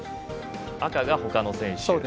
赤がほかの選手。